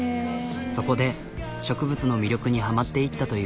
そこで植物の魅力にハマっていったという。